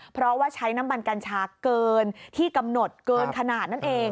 เพราะว่าใช้น้ำมันกัญชาเกินที่กำหนดเกินขนาดนั่นเอง